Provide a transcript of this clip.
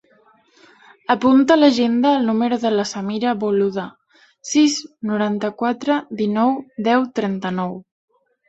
Apunta a l'agenda el número de la Samira Boluda: sis, noranta-quatre, dinou, deu, trenta-nou.